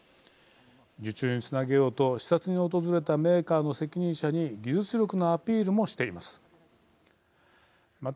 受注につなげようと視察に訪れたメーカーの責任者に技術力のアピールもしています。